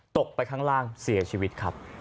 ตกไปข้างล่างเสียชีวิตครับ